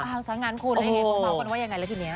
เอาซะงั้นคุณให้พูดมาก่อนว่ายังไงละทีนี้